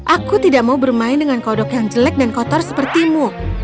aku tidak mau bermain dengan kodok yang jelek dan kotor sepertimu